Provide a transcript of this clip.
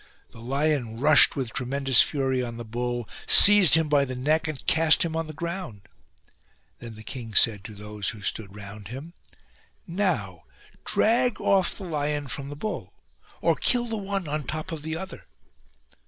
The lion rushed with tre mendous fury on the bull, seized him by the neck and cast him on the ground. Then the king said to those who stood round him :" Now, drag off the lion from the bull, or kill the one on the top of the other."